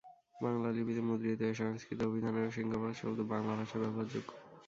বাংলালিপিতে মুদ্রিত এ সংস্কৃত অভিধানেরও সিংহভাগ শব্দ বাংলা ভাষায় ব্যবহারযোগ্য।